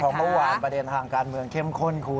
เพราะเมื่อวานประเด็นทางการเมืองเข้มข้นคุณ